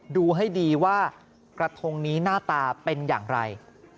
ดูให้ดีว่ากระทงนี้หน้าตาเป็นอย่างไร